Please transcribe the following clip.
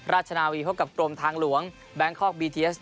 ราชนาวีพบกับกรมทางหลวงแบงคอกบีทีเอส